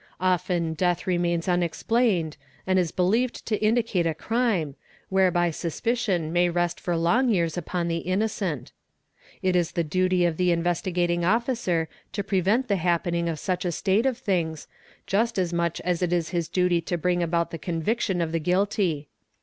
Often 'death remains unexplained and is believed to indicate a crime, whereby suspicion may rest for long years upon the innocent ®, It is the duty of the Investigating Officer to prevent the happening of such a state of things just as much as it is his duty to bring about the conviction of the i guilty.